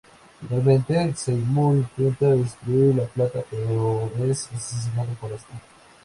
Finalmente Seymour intenta destruir la planta pero es asesinado por esta.